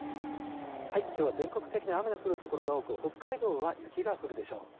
きょうは全国的に雨の降る所が多く、北海道は雪が降るでしょう。